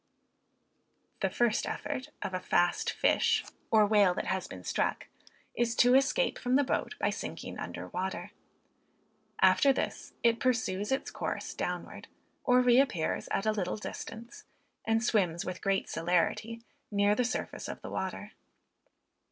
The first effort of a "fast fish," or whale that has been struck, is to escape from the boat by sinking under water. After this, it pursues its course downward, or reappears at a little distance, and swims with great celerity, near the surface of the water.